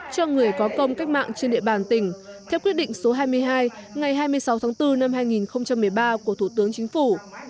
cho người có công cách mạng trên địa bàn tỉnh theo quyết định số hai mươi hai ngày hai mươi sáu tháng bốn năm hai nghìn một mươi ba của thủ tướng chính phủ